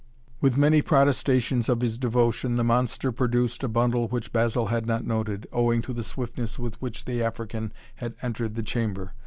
With many protestations of his devotion the monster produced a bundle which Basil had not noted, owing to the swiftness with which the African had entered the chamber.